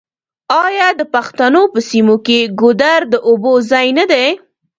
آیا د پښتنو په سیمو کې ګودر د اوبو ځای نه دی؟